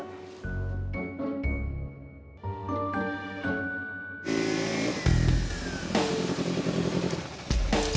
kita udah berhijab